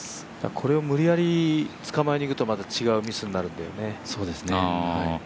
これを無理やり捕まえにいくと違うミスになるんだよね。